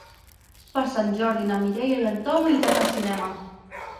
Per Sant Jordi na Mireia i en Tom iran al cinema.